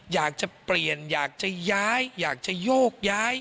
อยากจะเปลี่ยนอยากจะย้ายอยากจะโยกย้าย